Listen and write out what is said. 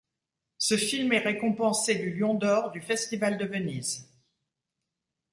Ce film est récompensé du Lion d'or du Festival de Venise.